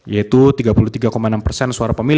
salah satunya merebut perhatian dan kepercayaan kalum milenial